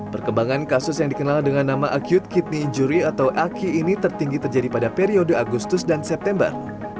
perkembangan kasus yang dikenal dengan nama acute kidney injury atau aki ini tertinggi terjadi pada periode agustus dan september